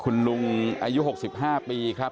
คุณลุงอายุหกสิบห้าปีครับ